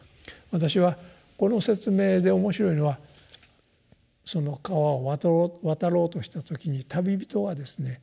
私はこの説明で面白いのはその川を渡ろう渡ろうとした時に旅人はですね